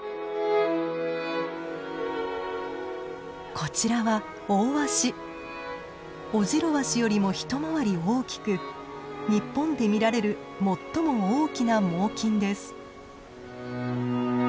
こちらはオジロワシよりも一回り大きく日本で見られる最も大きな猛きんです。